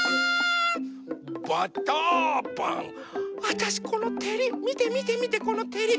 わたしこのてりみてみてみてこのてり。